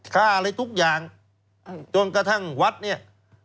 ค่าอะไรทุกอย่างจนกระทั่งวัดเนี่ย